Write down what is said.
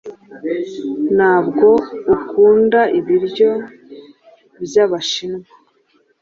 Ntabwo ukunda ibiryo byabashinwa?